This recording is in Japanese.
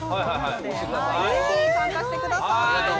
ぜひ参加してください。